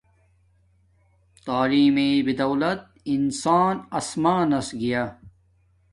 تعیلم مݵݵ بدولت انسان اسمان نس گیا